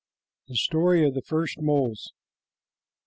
'" THE STORY OF THE FIRST MOLES.